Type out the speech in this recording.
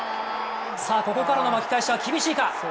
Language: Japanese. ここからの巻き返しは厳しいか。